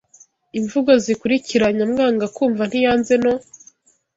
imvugo zikurikira Nyamwanga kumva ntiyanze no